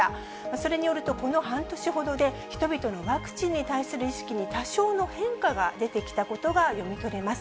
それによると、この半年ほどで人々のワクチンに対する意識に多少の変化が出てきたことが読み取れます。